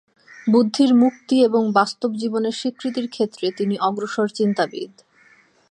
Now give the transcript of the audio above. বুদ্ধির মুক্তি এবং বাস্তব জীবনের স্বীকৃতির ক্ষেত্রে তিনি অগ্রসর চিন্তাবিদ।